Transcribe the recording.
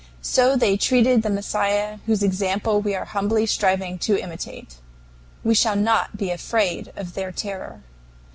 So they treated the Messiah whose example we are humbly striving to imitate. We shall not be afraid of their terror.